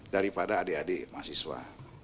daripada adik adik mahasiswa